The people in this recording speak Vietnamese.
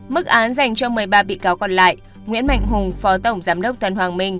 mức án dành cho một mươi ba bị cáo còn lại nguyễn mạnh hùng phó tổng giám đốc tân hoàng minh